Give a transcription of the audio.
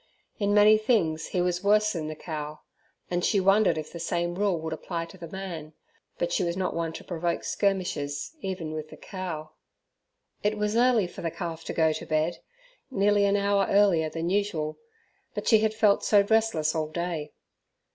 In many things he was worse than the cow, and she wondered if the same rule would apply to the man, but she was not one to provoke skirmishes even with the cow. It was early for the calf to go "to bed" nearly an hour earlier than usual; but she had felt so restless all day.